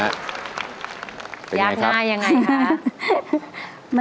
อินโทรนะครับเป็นอย่างไรครับยากหน้าอย่างไรคะ